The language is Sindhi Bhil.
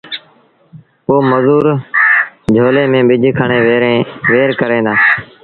پو مزور جھولي ميݩ ٻج کڻي وهير ڪريݩ دآ